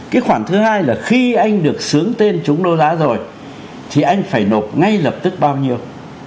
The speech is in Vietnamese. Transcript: cái khoản thứ hai là khi anh được sướng tên chúng đấu giá rồi thì anh phải nộp ngay lập tức bao nhiêu